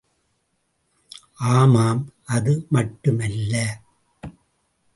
ஆமாம் அது மட்டுமல்ல.